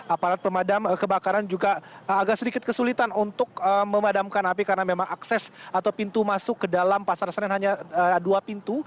aparat pemadam kebakaran juga agak sedikit kesulitan untuk memadamkan api karena memang akses atau pintu masuk ke dalam pasar senen hanya dua pintu